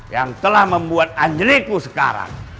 yang telah membuat angel li ku sekarang